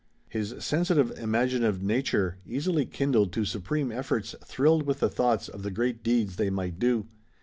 His sensitive, imaginative nature, easily kindled to supreme efforts, thrilled with the thoughts of the great deeds they might do.